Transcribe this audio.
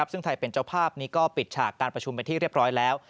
ซึ่งไทยเป็นเจ้าภาพนี้ก็ปิดฉากการประชุมเป็นที่เรียบร้อยแล้ว